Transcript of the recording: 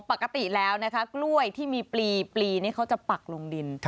ปกติแล้วนะคะกล้วยที่มีปลีนี่เขาจะปักลงดิน